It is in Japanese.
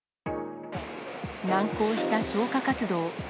難航した消火活動。